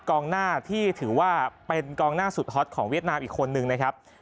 กองหน้าที่ถือว่าเป็นกองหน้าสุดฮอตของเวียดนามอีกคนนึงนะครับ